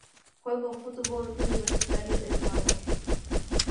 Jugó fútbol universitario en Harvard.